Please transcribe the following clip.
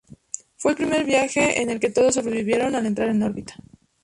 Este fue el primer viaje en el que todos sobrevivieron al entrar en órbita.